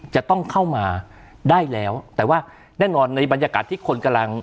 จะต้องเข้ามาได้แล้วแต่ว่าแน่นอนในบรรยากาศที่คนกำลัง